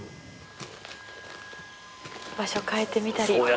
場所変えてみたり。